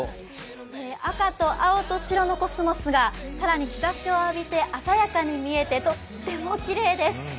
赤と青と白のコスモスが更に日ざしを浴びて鮮やかに見えてとってもきれいです。